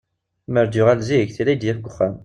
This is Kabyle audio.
Amer d-yuɣal zik, tili ad iyi-d-yaf deg uxxam.